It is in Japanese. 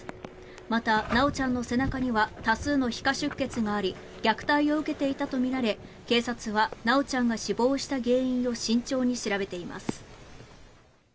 また、修ちゃんの背中には多数の皮下出血があり虐待を受けていたとみられ警察は修ちゃんが死亡した原因を慎重に調べています。